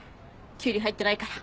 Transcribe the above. キュウリ入ってないから。